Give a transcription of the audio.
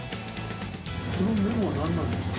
そのメモは何なんですか？